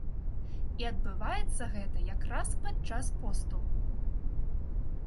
І адбываецца гэта якраз падчас посту.